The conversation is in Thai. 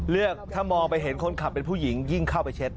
เลือกถ้ามองไปเห็นคนขับเป็นผู้หญิงยิ่งเข้าไปเช็ด